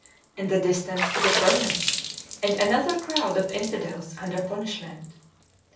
In the distance is a furnace, and another crowd of "infidels" under punishment.